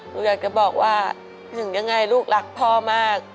หนูอยากจะบอกว่าถึงยังไงลูกรักพ่อมาก